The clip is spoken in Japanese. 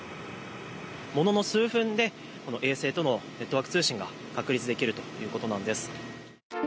ものの数分で衛星とのネットワーク通信が確立できるということなんです。